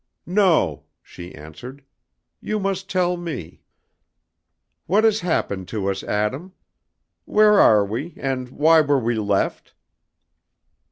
"No," she answered, "you must tell me. What has happened to us, Adam? Where are we, and why were we left?"